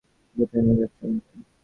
কোথায় নিয়ে যাচ্ছ আমাকে?